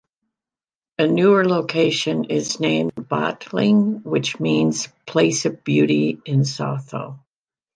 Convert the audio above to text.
A newer location is named Botleng, which means 'place of beauty' in Sotho.